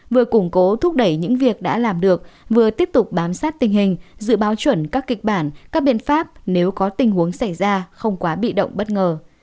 vừa củng cố thúc đẩy những việc đã làm được vừa tiếp tục bám sát tình hình dự báo chuẩn các kịch bản các biện pháp nếu có tình huống xảy ra không quá bị động bất ngờ